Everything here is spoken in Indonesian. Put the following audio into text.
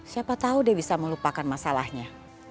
siapa tahu dia bisa melupakan masalahnya